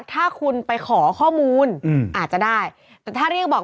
ถ้าคุณไปขอข้อมูลอาจจะได้แต่ถ้าเรียกบอก